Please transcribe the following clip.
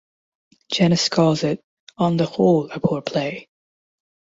Genest calls it 'on the whole a poor play'.